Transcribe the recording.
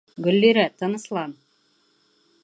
Гөллирә, тыныслан.